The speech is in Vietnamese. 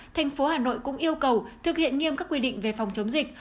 thành phố hà nội cũng yêu cầu thực hiện nghiêm các quy định về phòng chống dịch